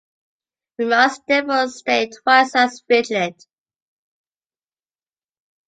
We must therefore stay twice as vigilant.